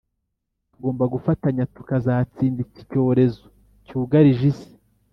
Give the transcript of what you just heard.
Tugomba gufatanya tukazatsinda iki cyorezo cyugarije isi